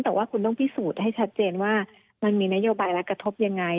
แต่ว่าคุณต้องพิสูจน์ให้ชัดเจนว่ามันมีนโยบายและกระทบยังไง